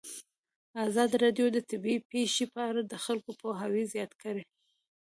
ازادي راډیو د طبیعي پېښې په اړه د خلکو پوهاوی زیات کړی.